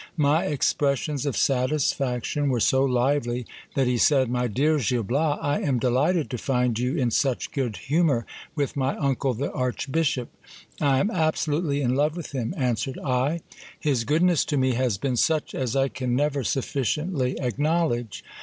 My expressions of satis i faction were so lively, that he said — My dear Gil Bias, I am delighted to find i you in such good humour with my uncle the archbishop. I am absolutely in love with him, answered I. His goodness to me has been such as I can never ; sufficiently acknowledge.